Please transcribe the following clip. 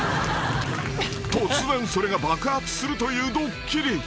［突然それが爆発するというドッキリ］